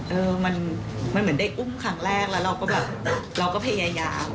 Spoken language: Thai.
เออมันเหมือนได้อุ้มครั้งแรกแล้วเราก็แบบเราก็พยายาม